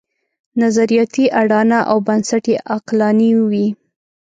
نظریاتي اډانه او بنسټ یې عقلاني وي.